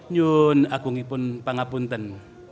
nyun agung ipun pangapunten